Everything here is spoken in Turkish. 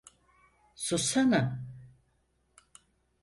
Sussana!